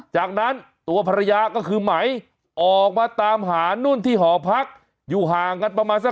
จากนั้นตัวภรรยาก็คือไหมออกมาตามหานุ่นที่หอพักอยู่ห่าง